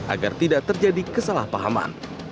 agar tidak terjadi kesalahpahaman